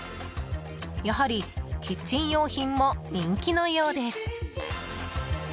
やはり、キッチン用品も人気のようです。